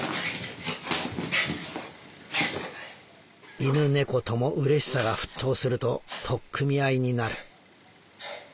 「犬猫とも嬉しさが沸騰すると取っ組み合いになる」。